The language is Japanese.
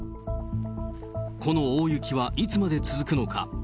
この大雪はいつまで続くのか。